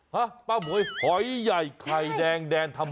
ห้ะป้าหมวยหอยใหญ่ไข่แดงแดนธรรมะ